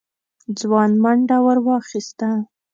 ځوان منډه ور واخيسته.